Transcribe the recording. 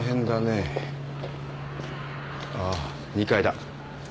ああ２階だ。